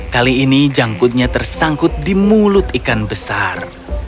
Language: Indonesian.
kali ini jangkutnya tersangkut di mulut ikan besar